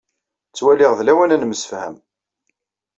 Ttwaliɣ d lawan ad nemsefham.